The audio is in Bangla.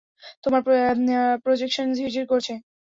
তোমার প্রজেকশন ঝিরঝির করছে!